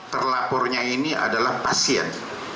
terlapornya ini adalah pasien